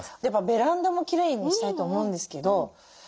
ベランダもきれいにしたいと思うんですけど。